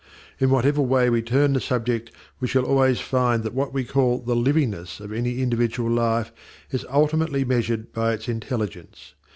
In whatever way we turn the subject we shall always find that what we call the "livingness" of any individual life is ultimately measured by its intelligence.